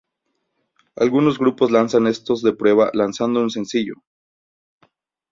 Algunos grupos lanzan estos de prueba lanzando un sencillo.